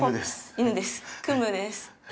犬です。